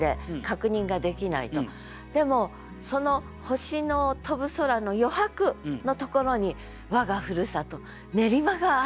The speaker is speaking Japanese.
でもその星の飛ぶ空の余白のところに我が故郷練馬があるのだよ。